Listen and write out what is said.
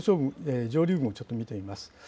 上流部もちょっと見てみます。